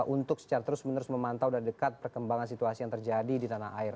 untuk secara terus menerus memantau dan dekat perkembangan situasi yang terjadi di tanah air